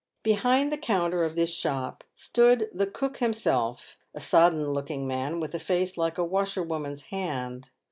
Behind the counter of this shop stood the cook himself, a sodden looking man, with a face like a washerwoman's hand.